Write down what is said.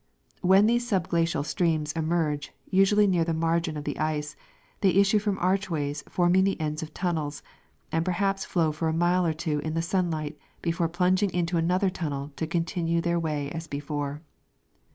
When these subglacial streams emerge, usually near the margin of the ice, they issue from archways forming the ends of tunnels, and per haj)s flow for a mile or two in the sunlight before plunging into another tunnel to continue their way as before.